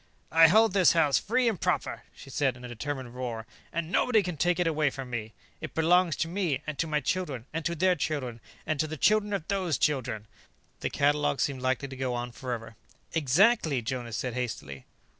"I hold this house free and proper," she said in a determined roar, "and nobody can take it from me. It belongs to me, and to my children, and to their children, and to the children of those children " The catalogue seemed likely to go on forever. "Exactly," Jonas said hastily.